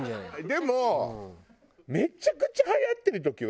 でもめちゃくちゃはやってる時は。